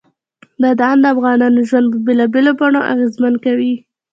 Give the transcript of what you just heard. بادام د افغانانو ژوند په بېلابېلو بڼو اغېزمن کوي.